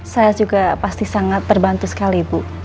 saya juga pasti sangat terbantu sekali bu